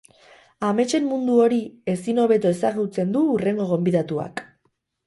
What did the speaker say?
Ametsen mundu hori ezin hobeto ezagutzen du hurrengo gonbidatuak.